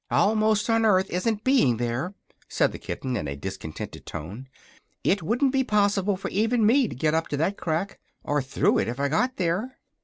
"Almost on earth isn't being there," said the kitten, in a discontented tone. "It wouldn't be possible for even me to get up to that crack or through it if I got there."